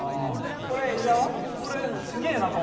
これ伊沢は？